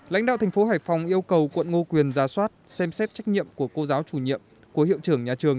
lãnh đạo tp hải phòng yêu cầu quận ngo quyền ra soát xem xét trách nhiệm của cô giáo chủ nhiệm của hiệu trưởng nhà trường